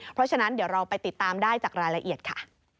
เพราะฉะนั้นเดี๋ยวเราไปติดตามได้จากรายละเอียดค่ะ